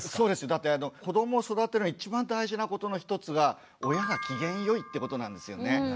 だって子どもを育てるのに一番大事なことの一つは親が機嫌良いってことなんですよね。